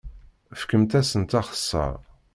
Fkemt-asent axeṣṣar!